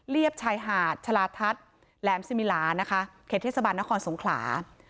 ชายหาดชะลาทัศน์แหลมสิมิลานะคะเขตเทศบาลนครสงขลา